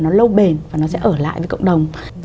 nó lâu bền và nó sẽ ở lại với cộng đồng